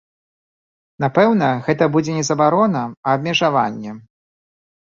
Напэўна, гэта будзе не забарона, а абмежаванне.